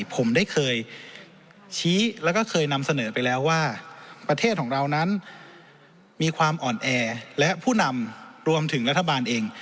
ผมได้เคยชี้แล้วก็เคยนำเสนอไปแล้วว่าประเทศของเรานั้นมีความอ่อนแอและผู้นำรวมถึงรัฐบาลเอง